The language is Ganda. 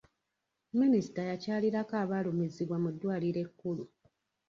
Minisita yakyalirako abaalumizibwa mu ddwaliro ekkulu.